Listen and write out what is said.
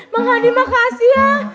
bang hadi makasih ya